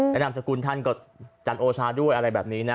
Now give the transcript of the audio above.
และนามสกุลท่านก็จันโอชาด้วยอะไรแบบนี้นะ